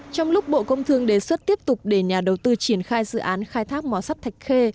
trong lúc bộ công thương đề xuất tiếp tục để nhà đầu tư triển khai dự án khai thác mỏ sắt thạch khê